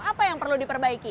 apa yang perlu diperbaiki